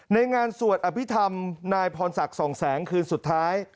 ในงานสวดอภิษฐรรมนายพรศักดิ์สองแสงคืนสุดท้าย